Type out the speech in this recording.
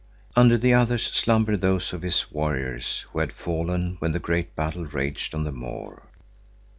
Under the others slumbered those of his warriors who had fallen when the great battle raged on the moor.